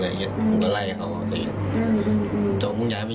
แล้วกว่าเขาจะถีกประตูเข้ามาต้องทำอะไร